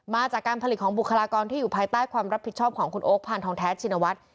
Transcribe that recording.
จากการผลิตของบุคลากรที่อยู่ภายใต้ความรับผิดชอบของคุณโอ๊คพานทองแท้ชินวัฒน์